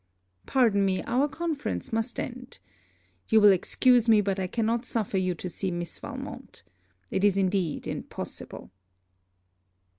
Pardon me, our conference must end. You will excuse me, but I cannot suffer you to see Miss Valmont. It is indeed impossible.'